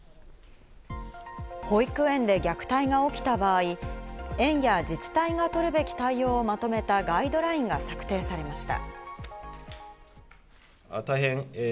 保育園で虐待が起きた場合、園や自治体が取るべき対応をまとめたガイドラインが策定されました。